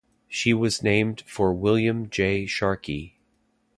She was named for William J. Sharkey.